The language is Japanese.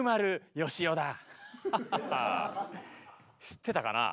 知ってたかな？